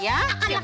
iya siap siap